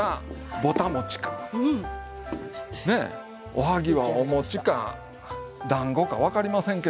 おはぎはお餅かだんごか分かりませんけどもね